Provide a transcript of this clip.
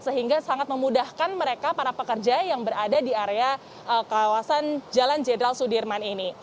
sehingga sangat memudahkan mereka para pekerja yang berada di area kawasan jalan jenderal sudirman ini